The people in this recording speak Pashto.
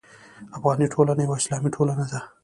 افغاني ټولنه یوه اسلامي ټولنه ده.